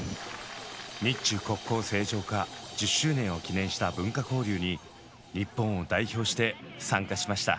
日中国交正常化１０周年を記念した文化交流に日本を代表して参加しました。